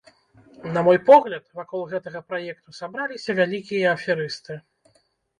На мой погляд, вакол гэтага праекту сабраліся вялікія аферысты.